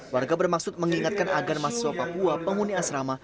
warga bermaksud mengingatkan agar mahasiswa papua penghuni asrama